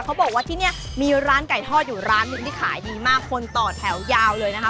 เขาบอกว่าที่นี่มีร้านไก่ทอดอยู่ร้านหนึ่งที่ขายดีมากคนต่อแถวยาวเลยนะคะ